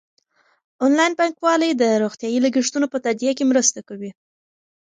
انلاین بانکوالي د روغتیايي لګښتونو په تادیه کې مرسته کوي.